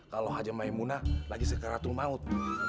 kalau haja maemunah lagi sakaratul maut